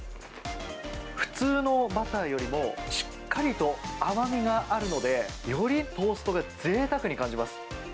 普通のバターよりも、しっかりと甘みがあるので、よりトーストがぜいたくに感じます。